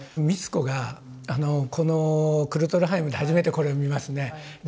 美津子がこのクルトゥルハイムで初めてこれを見ますね。